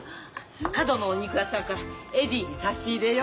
角のお肉屋さんからエディに差し入れよ。